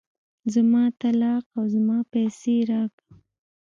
زما طلاق او زما پيسې راکه.